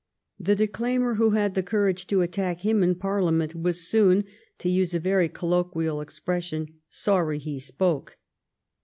The declaimer who had the courage to attack him in Parliament was soon, to use a very colloquial expression, sorry he spoke.